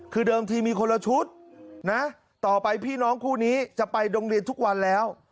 คือเดิมทีมีคนละชุดนะต่อไปพี่น้องคู่นี้จะไปโรงเรียนทุกวันแล้ว